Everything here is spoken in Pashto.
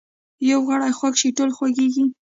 یو غړی خوږ شي ټول خوږیږي